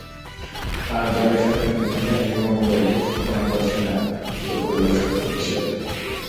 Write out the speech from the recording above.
তাঁর দলের সাথে তিনি সেখানে নিবন্ধ উপস্থাপন করেছিলেন এবং একক নৃত্য পরিবেশন করেছিলেন।